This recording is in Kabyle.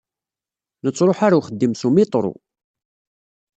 Nettṛuḥu ɣer axeddim s umiṭru.